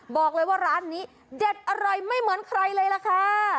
บอกเลยว่าร้านนี้เด็ดอร่อยไม่เหมือนใครเลยล่ะค่ะ